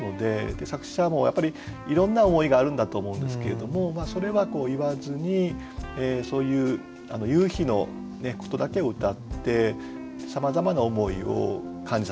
作者もやっぱりいろんな思いがあるんだと思うんですけれどもそれは言わずにそういう夕日のことだけをうたってさまざまな思いを感じさせるというね。